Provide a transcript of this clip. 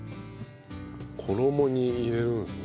衣に入れるんですね。